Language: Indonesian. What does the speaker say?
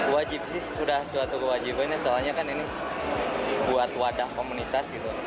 wajib sih sudah suatu kewajiban ya soalnya kan ini buat wadah komunitas gitu